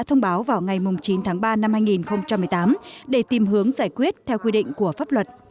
thông báo vào ngày chín tháng ba năm hai nghìn một mươi tám để tìm hướng giải quyết theo quy định của pháp luật